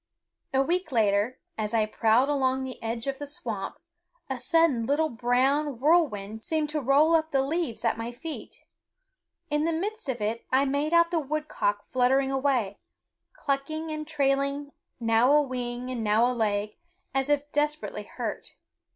A week later, as I prowled along the edge of the swamp, a sudden little brown whirlwind seemed to roll up the leaves at my feet. In the midst of it I made out the woodcock fluttering away, clucking, and trailing now a wing and now a leg, as if desperately hurt.